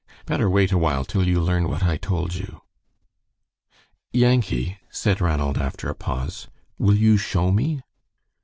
Better wait awhile till you learn what I told you." "Yankee," said Ranald, after a pause, "will you show me?"